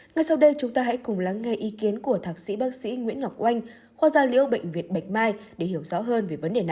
ngay sau đây chúng ta hãy cùng lắng nghe ý kiến của thạc sĩ bác sĩ nguyễn ngọc oanh khoa gia liễu bệnh viện bạch mai để hiểu rõ hơn